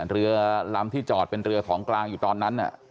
เรือลำที่จอดเป็นเรือของกลางอยู่ตอนนั้น